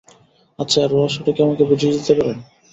আচ্ছা, এর রহস্যটা কী আমাকে বুঝিয়ে দিতে পারেন?